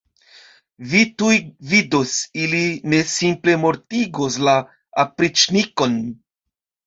Vi tuj vidos, ili ne simple mortigos la opriĉnikon.